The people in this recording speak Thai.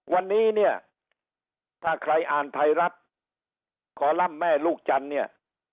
แต่ในตัวเนี้ยถ้าใครอ่านไทยรัฐขอร่ำแม่ลูกจันเนี่ย